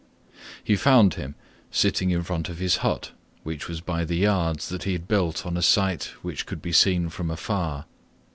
He found him sitting in front of his hut, which was by the yards that he had built on a site which could be seen from far.